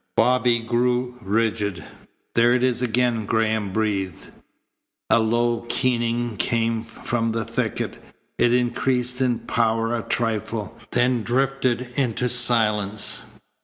Bobby grew rigid. "There it is again," Graham breathed. A low keening came from the thicket. It increased in power a trifle, then drifted into silence.